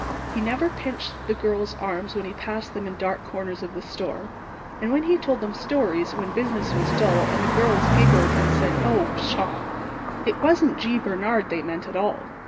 He never pinched the girls' arms when he passed them in dark corners of the store; and when he told them stories when business was dull and the girls giggled and said: "Oh, pshaw!" it wasn't G. Bernard they meant at all.